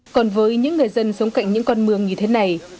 còn với những người dân sống cạnh những con mương như thế này